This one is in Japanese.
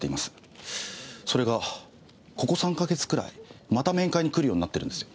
それがここ３か月くらいまた面会に来るようになってるんですよ。